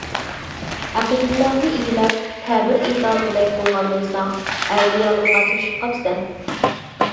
ئەقىدىلەرنى ئىگىلەپ، تەبىر ئېيتالىغۇدەك بولغان بولساڭ، ئەۋلىيالىققا توشۇپ قاپسەن.